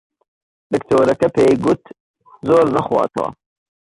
دکتۆرەکە پێی گوت زۆر نەخواتەوە.